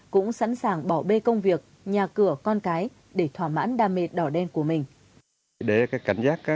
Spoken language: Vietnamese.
cũng sẵn sàng bỏ bê công việc nhà cửa con cái để thỏa mãn đam mê đỏ đen của mình